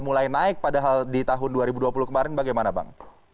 mulai naik padahal di tahun dua ribu dua puluh kemarin bagaimana bang